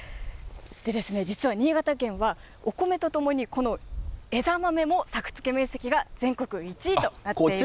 実は新潟県はお米とともに、この枝豆も作付面積が全国１位となっているんです。